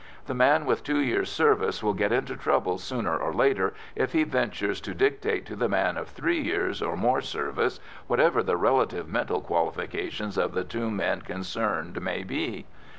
The man with two years' service will get into trouble sooner or later if he ventures to dictate to the man of three years' or more service, whatever the relative mental qualifications of the two men concerned may be.